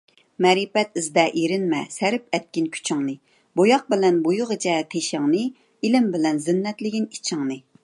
مەرىپەت ئىزدە ئېرىنمە، سەرىپ ئەتكىن كۈچىڭنى؛ بوياق بىلەن بويىغىچە تېشىڭنى ، ئىلىم بىلەن زىننەتلىگىن ئىچىڭنى.